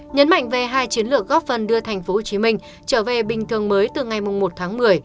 nhấn mạnh về hai chiến lược góp phần đưa tp hcm trở về bình thường mới từ ngày một tháng một mươi